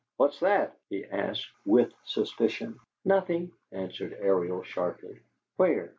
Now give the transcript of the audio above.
"What's that?" he asked, with suspicion. "Nothing," answered Ariel, sharply. "Where?"